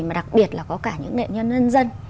mà đặc biệt là có cả những nghệ nhân nhân dân